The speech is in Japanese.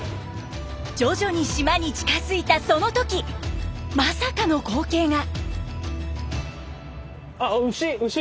徐々に島に近づいたその時まさかの光景が。